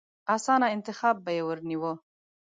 اسانه انتخاب به يې ورنيوه.